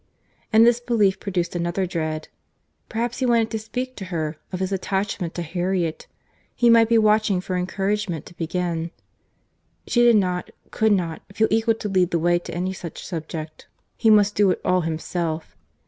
And this belief produced another dread. Perhaps he wanted to speak to her, of his attachment to Harriet; he might be watching for encouragement to begin.—She did not, could not, feel equal to lead the way to any such subject. He must do it all himself.